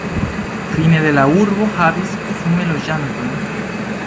Fine de la urbo havis sume loĝantojn.